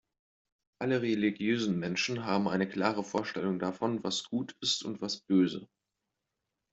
Alle religiösen Menschen haben eine klare Vorstellung davon, was gut ist und was böse.